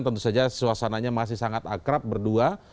tentu saja suasananya masih sangat akrab berdua